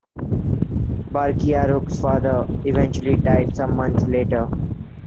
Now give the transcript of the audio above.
Barkiyaruq's father eventually died some months later.